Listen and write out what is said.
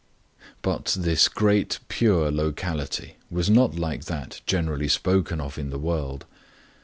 But this Great Pure locality was not like that generally spoken of in the world.